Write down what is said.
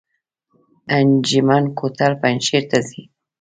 انجمین کوتل پنجشیر ته ځي؟